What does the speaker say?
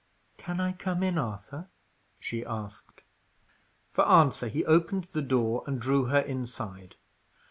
"Can I come in, Arthur?" she asked. For answer, he opened the door and drew her inside.